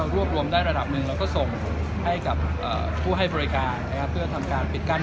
รวบรวมทั้งหมดเนี่ยร้อยเก้าสิบประเภทเนี้ย